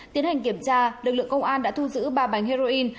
tiến hành kiểm tra lực lượng công an đã thu giữ ba bánh heroin